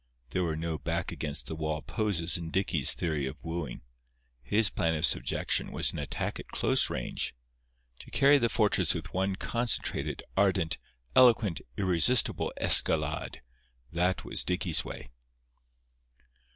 There were no back against the wall poses in Dicky's theory of wooing. His plan of subjection was an attack at close range. To carry the fortress with one concentrated, ardent, eloquent, irresistible escalade—that was Dicky's way.